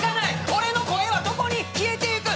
俺の声はどこに消えていく？